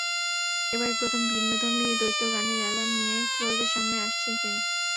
এবারই প্রথম ভিন্নধর্মী দ্বৈত গানের অ্যালবাম নিয়ে শ্রোতাদের সামনে আসছেন তিনি।